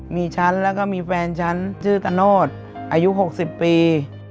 มีฉันแล้วก็มีแฟนฉันชื่อตะโนธอายุ๖๐ปี